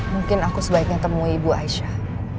mungkin aku sebaiknya temui ibu aisyah